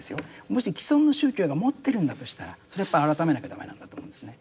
もし既存の宗教が持ってるんだとしたらそれはやっぱ改めなきゃ駄目なんだと思うんですね。